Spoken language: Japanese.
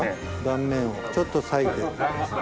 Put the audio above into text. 断面をちょっと割いて。